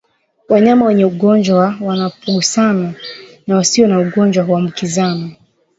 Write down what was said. Wanyama wenye ugonjwa wanapogusana na wasio na ugonjwa huambukizana